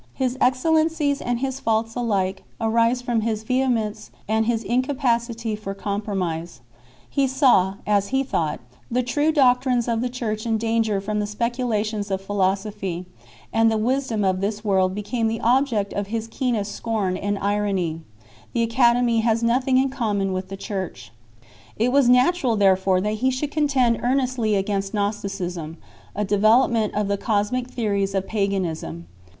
His excellencies and his faults alike arise from his vehe mence and his incapacity for compromise. He saw, as he thought, the true doctrines of the Church in danger from the speculations of philosophy, and the "wisdom of this world" became the object of his keenest scorn _ and irony ; the Academy has nothing in common with the Church 3 . It was natural therefore that he should contend earnestly against Gnosticism, a development of the cosmic theories of paganism.